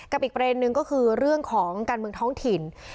อีกประเด็นนึงก็คือเรื่องของการเมืองท้องถิ่น